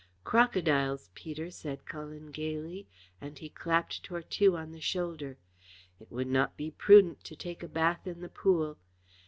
"Crocodiles, Peter," said Cullen gaily, and he clapped Tortue on the shoulder. "It would not be prudent to take a bath in the pool.